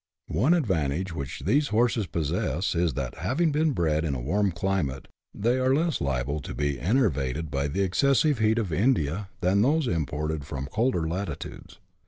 One advan tage which these horses possess is that, having been bred in a warm climate, they are less liable to be enervated by the excessive heat of India than those imported from colder latitudes.